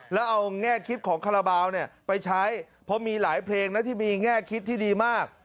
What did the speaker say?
แล้วเอาแง่คิดของคาราบาลไปใช้เพราะมีหลายเพลงนะที่มีแง่คิดที่ดีมาก